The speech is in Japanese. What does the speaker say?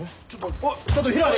おいちょっとひらり！